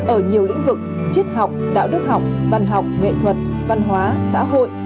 ở nhiều lĩnh vực triết học đạo đức học văn học nghệ thuật văn hóa xã hội